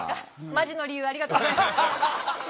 マジの理由ありがとうございます。